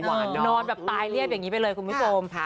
หวานเนอะคุณพี่โปมนอนแบบตายเรียบอย่างนี้ไปเลยคุณพี่โปมค่ะ